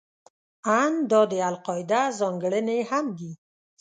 ان دا د القاعده ځانګړنې هم دي.